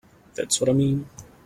That's what I mean.